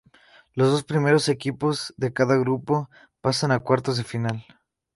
Los dos primeros equipos de cada grupo pasan a cuartos de final.